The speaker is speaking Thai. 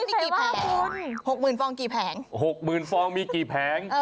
นี่กี่แผงหกหมื่นฟองกี่แผงหกหมื่นฟองมีกี่แผง